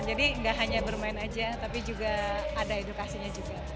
jadi nggak hanya bermain aja tapi juga ada edukasinya juga